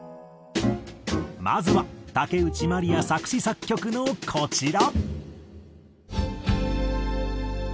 まずは竹内まりや作詞・作曲のこちら。